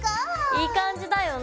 いい感じだよね。